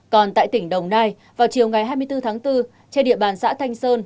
còn tại tỉnh đồng nai vào chiều ngày hai mươi bốn tháng bốn trên địa bàn xã thanh sơn